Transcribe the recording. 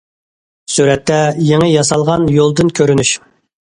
سۈرەتتە: يېڭى ياسالغان يولدىن كۆرۈنۈش.